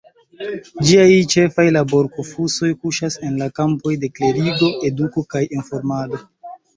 Ĝiaj ĉefaj laborfokusoj kuŝas en la kampoj de klerigo, eduko kaj informado.